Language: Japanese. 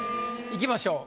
いきましょう。